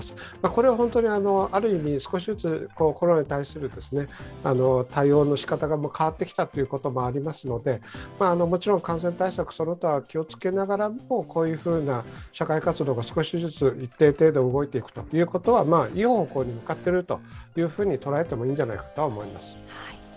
これは本当にある意味、少しずつコロナに対する対応の仕方が変わってきたということもありますので、もちろん感染対策、その他気をつけながらも、こういうふうな社会活動が一定程度動いていくのはいい方向に向かっていると捉えていいと思います。